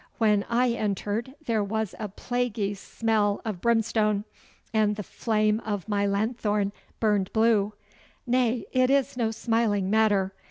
When I entered there was a plaguy smell of brimstone, and the flame of my lanthorn burned blue. Nay, it is no smiling matter.